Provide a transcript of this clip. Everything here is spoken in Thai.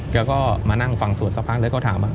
แกก็มานั่งฟังสวดสักพักแล้วก็ถามว่า